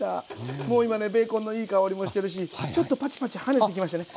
もう今ねベーコンのいい香りもしてるしちょっとパチパチ跳ねてきましたね。